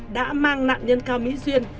đã mang nạn nhân cao mỹ duyên